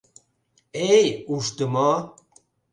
Эй, ушдымо!